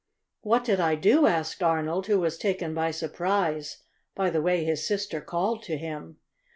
"What did I do?" asked Arnold, who was taken by surprise by the way his sister called to him.